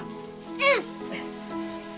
うん。